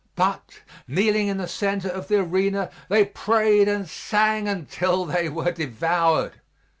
But, kneeling in the center of the arena, they prayed and sang until they were devoured.